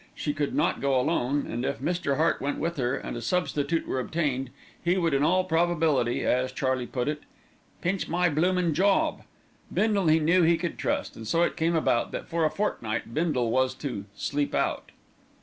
She could not go alone, and if Mr. Hart went with her and a substitute were obtained, he would in all probability, as Charlie put it, "pinch my bloomin' job." Bindle he knew he could trust, and so it came about that for a fortnight Bindle was to "sleep out."